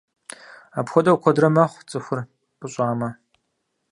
Апхуэдэу куэдрэ мэхъу, цӀыхур пӀыщӀамэ.